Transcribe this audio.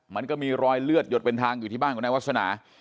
มันก็มีรอยเลือดหยดเป็นทางอยู่ที่บ้านของนายวาสนา